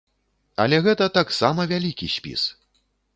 Але гэта таксама вялікі спіс.